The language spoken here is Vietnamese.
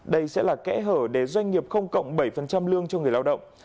đây sẽ là kẽ hở để doanh nghiệp không cộng bảy lương cho người lao động